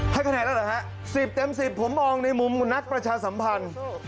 คะแนนแล้วเหรอฮะ๑๐เต็ม๑๐ผมมองในมุมนักประชาสัมพันธ์